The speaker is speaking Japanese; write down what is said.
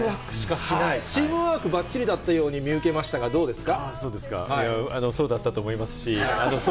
チームワークばっちりだったように見受けましたが、どうですか？